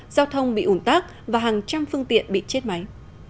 giao thông bị ủn tắc và hàng trăm phương tiện bị chết máy